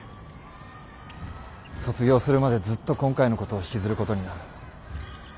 卒業するまでずっと今回の事を引きずる事になる。